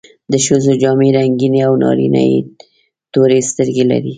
د ښځو جامې رنګینې او نارینه یې تورې سترګې لري.